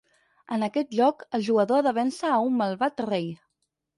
En aquest joc el jugador ha de vèncer a un malvat rei.